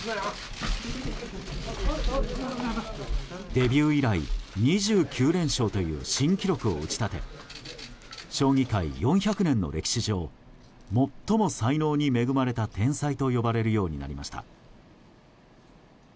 デビュー以来２９連勝という新記録を打ち立て将棋界４００年の歴史上最も才能に恵まれた天才と呼ばれるようになりました。